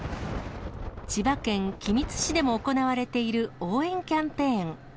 千葉県君津市でも行われている応援キャンペーン。